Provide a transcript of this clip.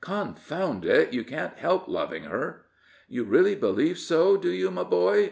Confound it! you can't help loving her." "You really believe so, do you, my boy?"